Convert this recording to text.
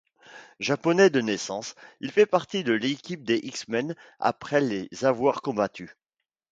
Japonais de naissance, il fait partie de l'équipe des X-Men après les avoir combattus.